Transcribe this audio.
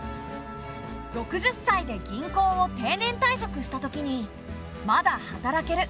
６０歳で銀行を定年退職したときに「まだ働ける。